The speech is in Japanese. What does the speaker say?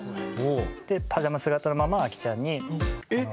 でパジャマ姿のままアキちゃんにあの結婚。